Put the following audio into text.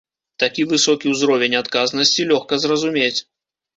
Такі высокі ўзровень адказнасці лёгка зразумець.